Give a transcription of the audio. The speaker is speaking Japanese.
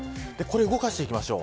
動かしていきましょう。